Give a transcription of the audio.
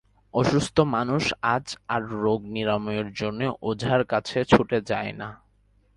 অসুস্থ মানুষ আজ আর রোগ নিরাময়ের জন্যে ওঝার কাছে ছুটে যায়না।